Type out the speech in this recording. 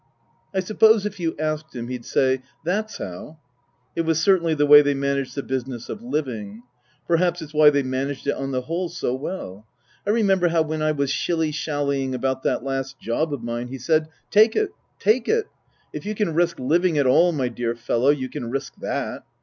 I suppose if you asked him he'd say, " That's how." It was certainly the way they managed the business of living. Perhaps it's why they managed it on the whole so well. I remember how when I was shilly shallying about that last job of mine he said, " Take it. Take it. If you can risk living at all, my dear fellow, you can risk that."